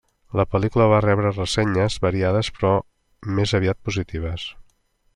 La pel·lícula va rebre ressenyes variades però més aviat positives.